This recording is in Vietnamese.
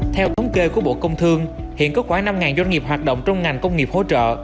theo thống kê của bộ công thương hiện có khoảng năm doanh nghiệp hoạt động trong ngành công nghiệp hỗ trợ